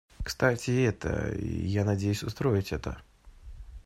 Кстати и это, и я надеюсь устроить это.